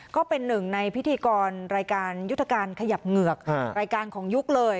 ก็เป็นหนึ่งในพิธีกรรายการยุทธการขยับเหงือกรายการของยุคเลย